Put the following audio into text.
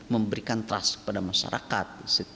memberikan trust kepada masyarakat